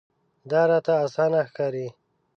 دا راته اسانه ښکاري.